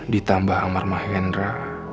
ditambah amar mahendra